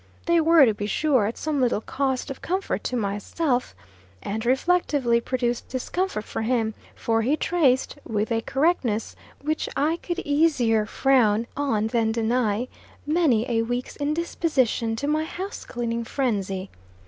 They were, to be sure, at some little cost of comfort to myself, and reflectively produced discomfort for him; for he traced, with a correctness which I could easier frown at than deny, many a week's indisposition to my house cleaning phrenzy.